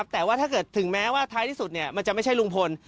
แต่ว่าถ้าเกิดถึงแม้ว่าท้ายที่สุดมันจะไม่ใช่ลุงพล